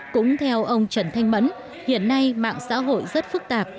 cũng theo ông trần thanh mẫn hiện nay mạng xã hội rất phức tạp